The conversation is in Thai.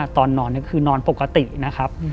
ตอนนอนก็คือนอนปกตินะครับ